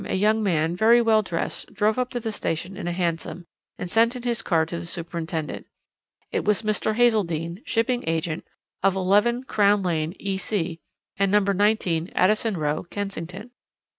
a young man, very well dressed, drove up to the station in a hansom, and sent in his card to the superintendent. It was Mr. Hazeldene, shipping agent, of 11, Crown Lane, E.C., and No. 19, Addison Row, Kensington.